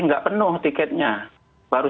tidak penuh tiketnya baru